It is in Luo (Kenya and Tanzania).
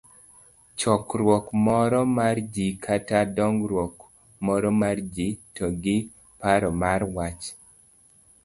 chokruok moro mar ji, kata dongruok moro mar ji, to gi paro mar wach